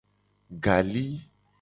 Gali.